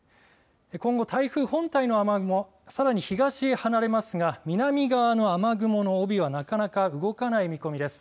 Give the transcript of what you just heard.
今後、台風本体の雨雲はさらに東へ離れますが南側の雨雲の帯はなかなか動かない見込みです。